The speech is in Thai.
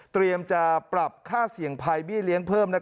จะปรับค่าเสี่ยงภัยเบี้เลี้ยงเพิ่ม